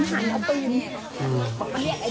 มันหายเอาปืน